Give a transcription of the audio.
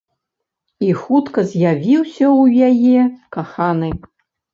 І хутка з'явіўся ў яе каханы.